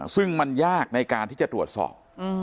ซึ่งมันยากในการที่จะตรวจสอบ